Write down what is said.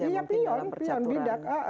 iya spion spion bidak